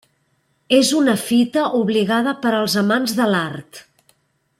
És una fita obligada per als amants de l'art.